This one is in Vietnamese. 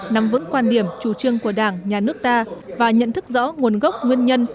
nắm vững quan điểm chủ trương của đảng nhà nước ta và nhận thức rõ nguồn gốc nguyên nhân